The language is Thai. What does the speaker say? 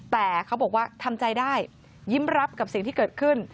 แต่เขาบอกว่าทำใจได้ยิ้มรับกับสิ่งที่เกิดขึ้น